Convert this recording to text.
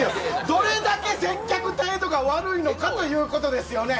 どれだけ接客態度が悪いのかということですよね。